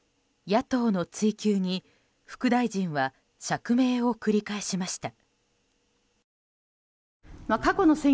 野党の追及に副大臣は釈明を繰り返しました。